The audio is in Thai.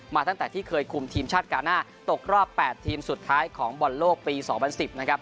ตั้งแต่ที่เคยคุมทีมชาติกาหน้าตกรอบ๘ทีมสุดท้ายของบอลโลกปี๒๐๑๐นะครับ